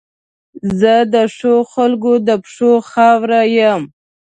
زه د ښو خلګو د پښو خاورې یم.